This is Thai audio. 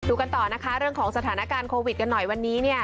กันต่อนะคะเรื่องของสถานการณ์โควิดกันหน่อยวันนี้เนี่ย